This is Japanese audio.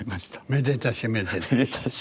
めでたしめでたし。